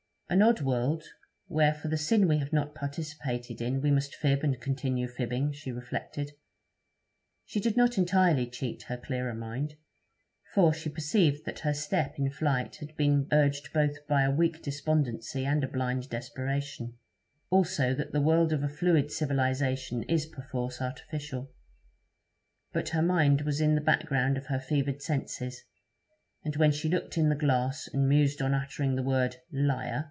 An odd world, where for the sin we have not participated in we must fib and continue fibbing, she reflected. She did not entirely cheat her clearer mind, for she perceived that her step in flight had been urged both by a weak despondency and a blind desperation; also that the world of a fluid civilization is perforce artificial. But her mind was in the background of her fevered senses, and when she looked in the glass and mused on uttering the word, 'Liar!'